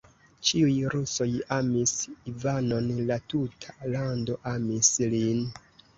Ĉiuj rusoj amis Ivanon, la tuta lando amis lin.